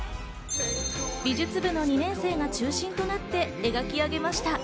美術部の２年生が中心となって描き上げました。